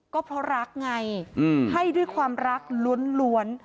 ก็เพราะรักไงให้ด้วยความรักล้วน